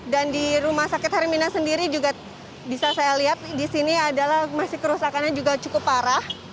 dan di rumah sakit hermina sendiri juga bisa saya lihat di sini adalah masih kerusakannya juga cukup parah